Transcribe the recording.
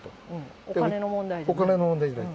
お金の問題じゃない？